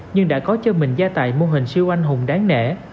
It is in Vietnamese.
nhưng đã có cho mình gia tài mô hình siêu anh hùng đáng nể